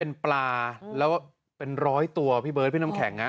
เป็นปลาแล้วเป็นร้อยตัวพี่เบิร์ดพี่น้ำแข็ง